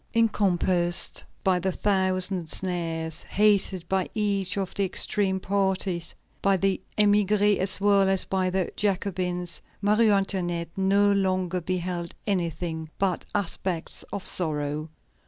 Encompassed by a thousand snares, hated by each of the extreme parties, by the émigrés as well as by the Jacobins, Marie Antoinette no longer beheld anything but aspects of sorrow.